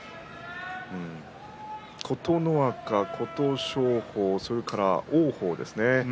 琴ノ若、琴勝峰それから王鵬ですね。